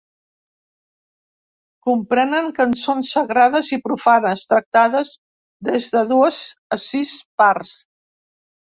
Comprenen cançons sagrades i profanes, tractades des de dues a sis parts.